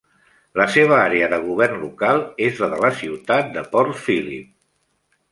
La seva àrea de govern local és la de la ciutat de Port Phillip.